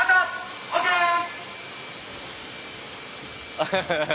アハハハハ。